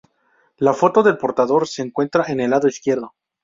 La foto del portador se encuentra en el lado izquierdo.